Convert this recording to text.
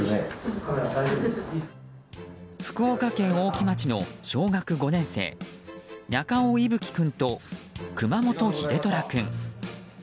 福岡県大木町の小学５年生中尾伊吹君と熊本秀虎君。